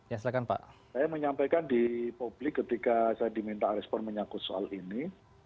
yang ketiga saya menyampaikan di publik ketika saya diminta respon menyangkut soal ini